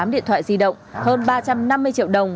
hai mươi tám điện thoại di động hơn ba trăm năm mươi triệu đồng